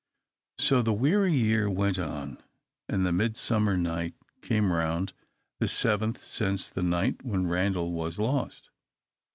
So the weary year went on, and Midsummer Night came round the seventh since the night when Randal was lost.